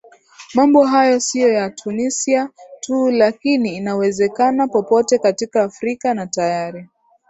mambo hayo sio ya tunisia tu lakini inawezekana popote katika afrika na tayari